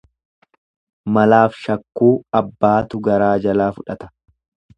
Malaaf shakkuu abbaatu garaa jalaa fudhata.